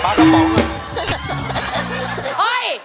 เอ๊ย